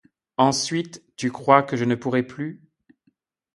Ensuite, tu crois que je ne pourrai plus.